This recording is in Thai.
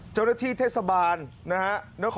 เจ้าหน้าที่เทศบาลนะฮะ